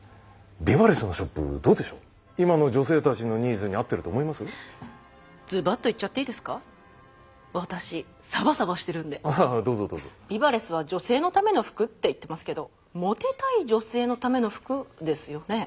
ＢＩＢＡＬＥＳＳは女性のための服って言ってますけど「モテたい女性のため」の服ですよね？